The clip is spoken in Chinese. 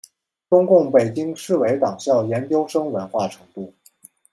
中共北京市委党校研究生文化程度。